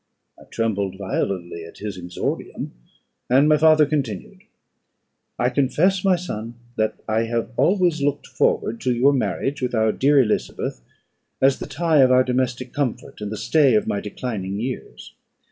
I trembled violently at his exordium, and my father continued "I confess, my son, that I have always looked forward to your marriage with our dear Elizabeth as the tie of our domestic comfort, and the stay of my declining years.